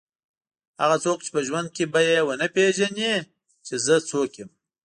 هغه څوک چې په ژوند کې به یې ونه پېژني چې زه څوک یم.